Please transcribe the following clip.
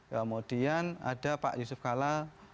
kemudian ada pak yusuf kalla